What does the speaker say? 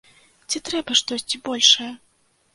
Ці трэба штосьці большае?